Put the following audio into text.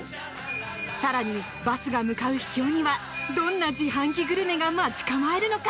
更に、バスが向かう秘境にはどんな自販機グルメが待ち構えるのか？